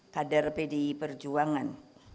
kader pdi perjuangan